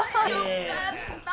よかったわ。